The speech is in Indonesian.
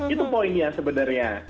itu poinnya sebenarnya